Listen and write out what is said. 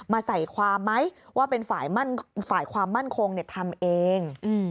ใส่ความไหมว่าเป็นฝ่ายความมั่นคงทำเอง